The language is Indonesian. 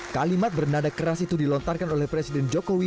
kalimat bernada keras itu dilontarkan oleh presiden jokowi